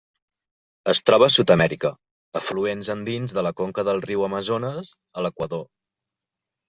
Es troba a Sud-amèrica: afluents andins de la conca del riu Amazones a l'Equador.